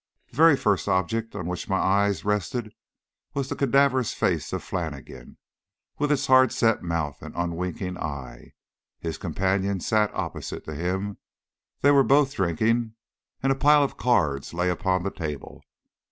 The very first object on which my eye rested was the cadaverous face of Flannigan, with its hard set mouth and unwinking eye. His companion sat opposite to him. They were both drinking, and a pile of cards lay upon the table.